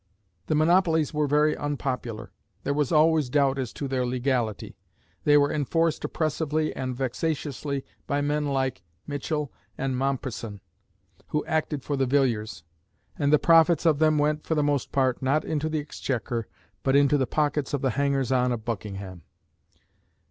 The monopolies were very unpopular; there was always doubt as to their legality; they were enforced oppressively and vexatiously by men like Michell and Mompesson, who acted for the Villiers; and the profits of them went, for the most part, not into the Exchequer, but into the pockets of the hangers on of Buckingham.